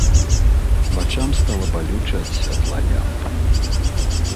Вачам стала балюча ад святла лямпы.